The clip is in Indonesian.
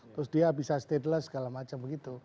terus dia bisa stateless segala macam begitu